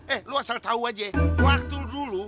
eh lo asal tahu aja waktu dulu